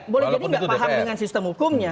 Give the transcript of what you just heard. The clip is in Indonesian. boleh jadi nggak paham dengan sistem hukumnya